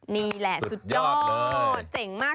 นี่แหละสุดยอดเจ๋งมาก